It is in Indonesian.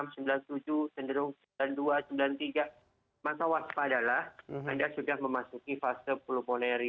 cenderung sembilan puluh dua sembilan puluh tiga maka waspada lah anda sudah memasuki fase pulmoner